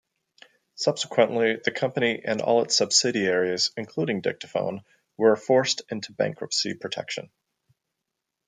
Subsequently, the company and all its subsidiaries, including Dictaphone, were forced into bankruptcy protection.